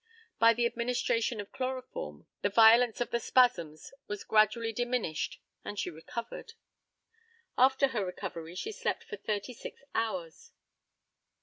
By the administration of chloroform the violence of the spasms was gradually diminished and she recovered. After her recovery she slept for thirty six hours.